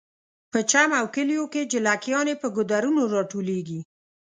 په چم او کلیو کې جلکیانې په ګودرونو راټولیږي